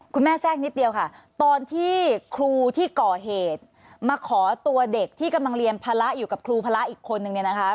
แทรกนิดเดียวค่ะตอนที่ครูที่ก่อเหตุมาขอตัวเด็กที่กำลังเรียนภาระอยู่กับครูภาระอีกคนนึงเนี่ยนะคะ